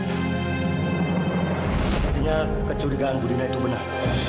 sepertinya kecurigaan budina itu benar